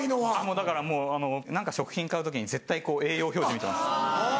だからもう何か食品買う時に絶対栄養表示見てます。